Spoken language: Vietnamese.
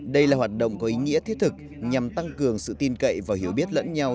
đây là hoạt động có ý nghĩa thiết thực nhằm tăng cường sự tin cậy và hiểu biết lẫn nhau